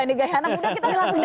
ini gaya anak muda